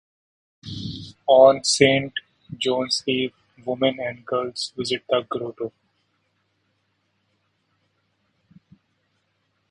On St. John's Eve, women and girls visit the grotto.